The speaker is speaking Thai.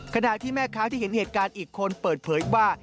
ขณะที่แม่ค้าที่เห็นเหตุการณ์อีกคนเปิดเผยว่า